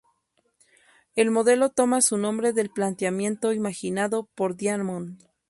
El modelo toma su nombre del planteamiento imaginado por Diamond.